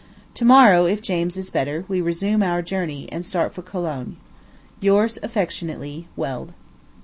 To morrow, if James is better, we resume our journey, and start for Cologne. Yours affectionately, WELD.